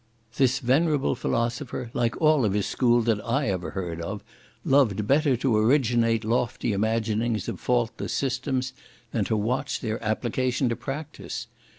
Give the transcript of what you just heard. This venerable philosopher, like all of his school that I ever heard of, loved better to originate lofty imaginings of faultless systems, than to watch their application to practice.